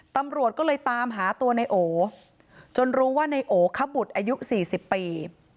ตำรวจก็เลยตามหาตัวในโอจนรู้ว่านายโอคบุตรอายุ๔๐ปี